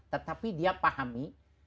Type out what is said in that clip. tetapi dia pahami